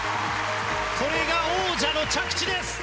これが王者の着地です！